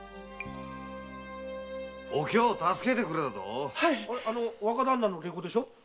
お京を助けてくれだと⁉若旦那のレコでしょ？